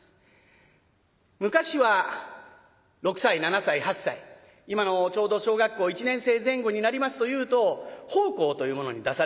昔は６歳７歳８歳今のちょうど小学校１年生前後になりますというと奉公というものに出される。